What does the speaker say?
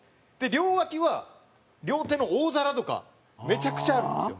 両脇は料亭の大皿とかめちゃくちゃあるんですよ。